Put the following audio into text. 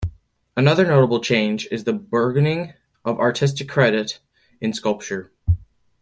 Another notable change is the burgeoning of artistic credit in sculpture.